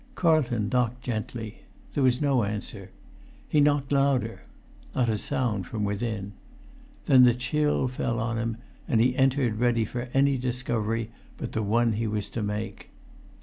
Carlton knocked gently. There was no answer. He knocked louder. Not a sound from within. Then the chill fell on him, and he entered ready for any discovery but the one he was to make.